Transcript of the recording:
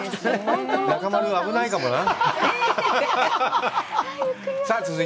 中丸、危ないかもな？